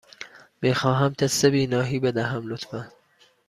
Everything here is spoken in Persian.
می خواهم تست بینایی بدهم، لطفاً.